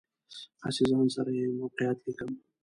هسې ځان سره یې موقعیت لیکم.